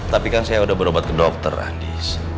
tapi kan saya sudah berobat ke dokter andi